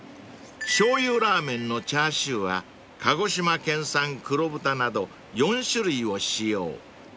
［しょうゆラーメンのチャーシューは鹿児島県産黒豚など４種類を使用］